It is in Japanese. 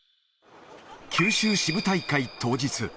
九州支部大会当日。